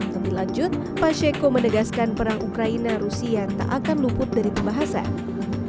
lebih lanjut pak sheco menegaskan perang ukraina rusia tak akan luput dari pembahasan